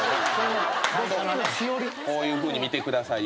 こういうふうに見てくださいよ。